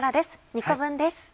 ２個分です。